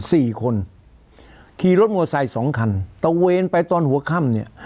สี่คนขี่รถมอไซค์สองคันตะเวนไปตอนหัวค่ำเนี้ย